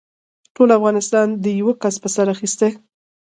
ټول افغانستان دې يوه کس په سر اخيستی.